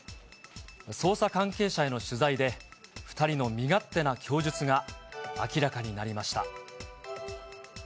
捜査関係者への取材で、２人の身勝手な供述が明らかになりました。